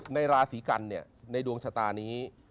ในราศรีกรรณเนี่ยในดวงชะตานี้